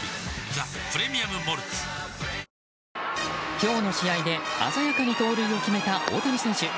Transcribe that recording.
今日の試合で鮮やかに盗塁を決めた大谷選手。